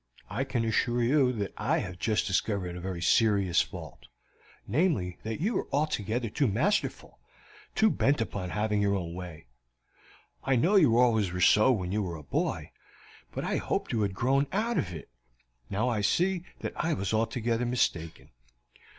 I can assure you that I have just discovered a very serious fault, namely, that you are altogether too masterful, too bent upon having your own way. I know you always were so when you were a boy, but I hoped you had grown out of it; now I see that I was altogether mistaken.